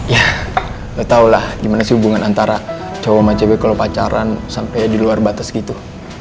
ya lo tau lah gimana sih hubungan antara cowok sama cewek kalo pacaran sampe di luar batas gitu